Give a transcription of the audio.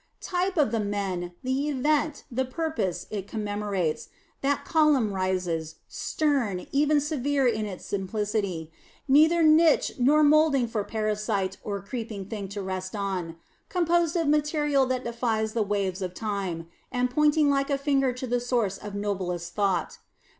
Type of the men, the event, the purpose, it commemorates, that column rises, stern, even severe in its simplicity; neither niche nor molding for parasite or creeping thing to rest on; composed of material that defies the waves of time, and pointing like a finger to the source of noblest thought.